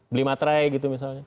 beli matre gitu misalnya